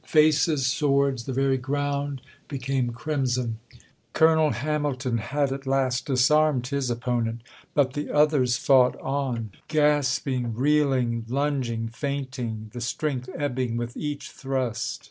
Faces, swords, the very ground, became crimson. Colonel Hamilton had at last disarmed his opponent, but the others fought on gasping, reeling, lunging, feinting, the strength ebbing with each thrust.